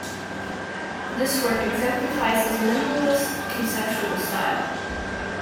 This work exemplifies his minimalist, conceptual style.